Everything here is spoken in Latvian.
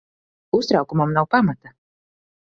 Uztraukumam nav pamata.